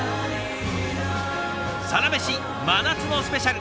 「サラメシ真夏のスペシャル！」。